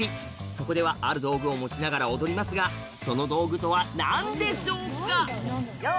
そこではある道具を持ちながら踊りますがその道具とは何でしょうか？